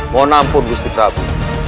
mohon ampun gusti prabu